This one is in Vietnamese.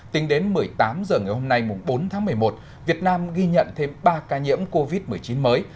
tính đến một mươi tám h ngày hôm nay bốn tháng một mươi một việt nam ghi nhận thêm ba ca nhiễm covid một mươi chín mới